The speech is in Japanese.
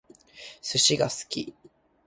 寿司が好き